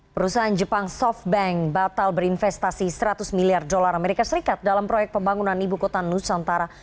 perusahaan jepang softbank batal berinvestasi seratus miliar dolar amerika serikat dalam proyek pembangunan ibu kota nusantara